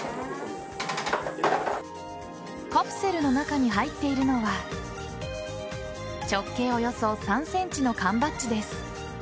カプセルの中に入っているのは直径およそ３ｃｍの缶バッジです。